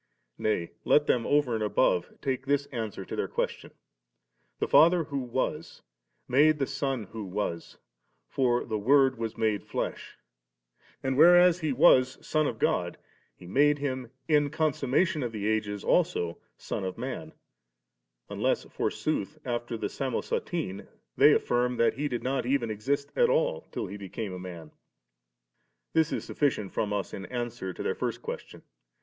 Nay, let them over and above ti^e this answer to their question;— The Father who was, made the Son who was, for 'the Word was made flesh ^;' and, whereas He was Son of God, He made Him in consummation of the ages also Son of Man, unless forsootii, after the Samosatene, they affirm that He did not even exist at all, till He became man. s6. This is sufficient from us in answer to their first question.